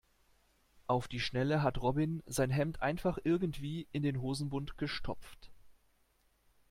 Auf die Schnelle hat Robin sein Hemd einfach irgendwie in den Hosenbund gestopft.